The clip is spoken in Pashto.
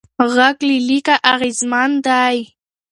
غږ له لیکه اغېزمن دی.